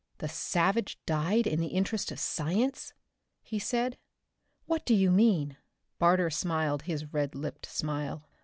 "The savage died in the interest of science?" he said. "What do you mean?" Barter smiled his red lipped smile.